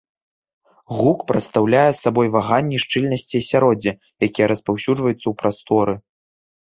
Гук прадстаўляе сабой ваганні шчыльнасці асяроддзя, якія распаўсюджваюцца ў прасторы.